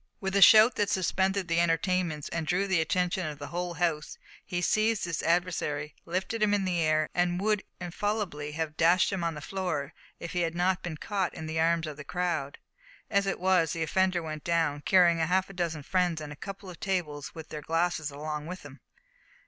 With a shout that suspended the entertainments and drew the attention of the whole house, he seized his adversary, lifted him in the air, and would infallibly have dashed him on the floor if he had not been caught in the arms of the crowd. As it was, the offender went down, carrying half a dozen friends and a couple of tables with their glasses along with him.